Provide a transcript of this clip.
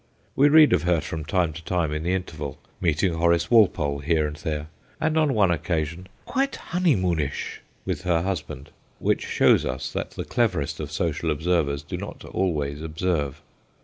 We read of her from time to time in the interval, meeting Horace Walpole here and there, dancing and supping, and on one occasion 'quite honey moonish ' with her husband which shows us that the cleverest of social observers do not always observe.